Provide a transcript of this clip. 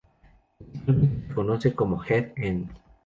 Principalmente se conoce como head-end.